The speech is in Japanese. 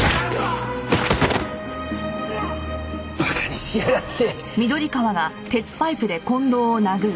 馬鹿にしやがって。